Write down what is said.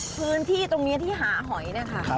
พื้นที่ตรงนี้ที่หาหอยนะครับ